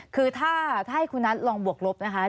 คือถ้าให้คุณนัทลองบวกลบนะคะ